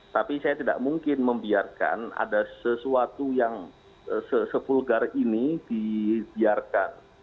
tapi saya tidak mungkin membiarkan ada sesuatu yang se vulgar ini dibiarkan